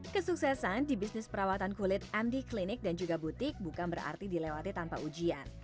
kesuksesan di bisnis perawatan kulit md klinik dan juga butik bukan berarti dilewati tanpa ujian